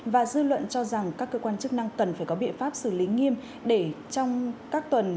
và dư luận cho rằng các cơ quan chức năng cần phải có biện pháp xử lý nghiêm để trong các tuần